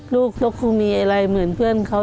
ลูกก็คงมีอะไรเหมือนเพื่อนเขา